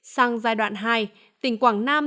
sang giai đoạn hai tỉnh quảng nam